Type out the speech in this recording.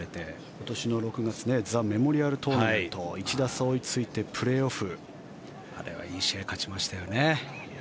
今年の６月ザ・メモリアル・トーナメント１打差追いついてプレーオフ。あれはいい試合、勝ちましたよね。